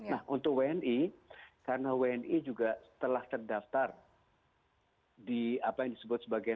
nah untuk wni karena wni juga telah terdaftar di apa yang disebut sebagai